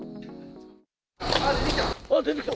あ、出てきた。